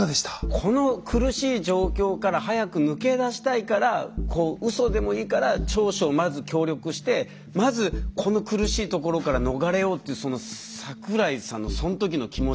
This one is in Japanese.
この苦しい状況から早く抜け出したいからウソでもいいから調書をまず協力してまずこの苦しいところから逃れようっていう桜井さんのそんときの気持ち。